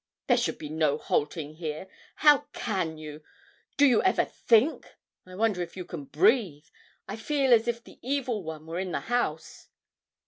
'There should be no halting here. How can you do you ever think? I wonder if you can breathe. I feel as if the evil one were in the house.'